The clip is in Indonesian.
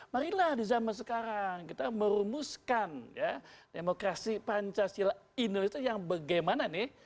marilah di zaman sekarang kita merumuskan ya demokrasi pancasila indonesia yang bagaimana nih